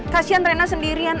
kasian rena sendirian